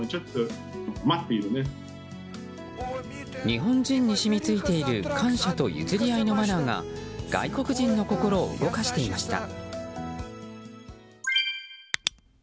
日本人に染みついている感謝と譲り合いのマナーが外国人の心を動かしていました。